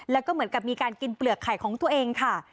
แล้วก็เหมือนกับมีการกินเปลือกไข่ของตัวเองค่ะ